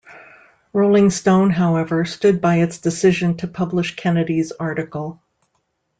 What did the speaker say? "Rolling Stone", however, stood by its decision to publish Kennedy's article.